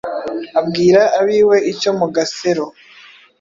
abwira ab’iwe icyo mu gasero